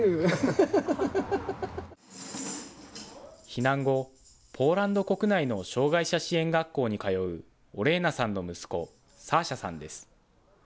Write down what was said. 避難後、ポーランド国内の障害者支援学校に通うオレーナさんの息子、サーシャさんです。